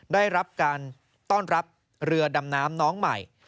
ได้รับการต้อนรับเรือดำน้ำน้องใหม่